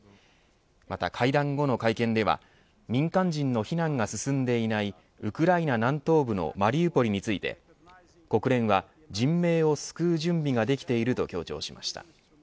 また、会談後の会見では民間人の避難が進んでいないウクライナ南東部のマリウポリについて国連は人命を救う準備ができていると強調しました。